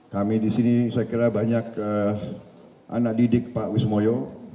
kami disini saya kira banyak anak didik pak kusmoyo